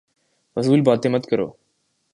فضول باتیں مت کرو